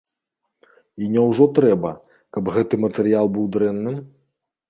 І няўжо трэба, каб гэты матэрыял быў дрэнным?